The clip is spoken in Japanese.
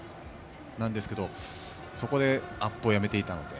なんですけど、そこでアップをやめていたので。